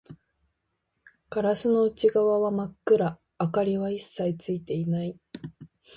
ガラスの内側は真っ暗、明かりは一切ついていない